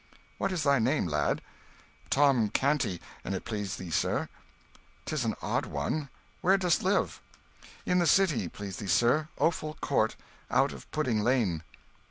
"What is thy name, lad?" "Tom Canty, an' it please thee, sir." "'Tis an odd one. Where dost live?" "In the city, please thee, sir. Offal Court, out of Pudding Lane."